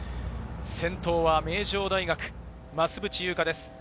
先頭は名城大学・増渕祐香です。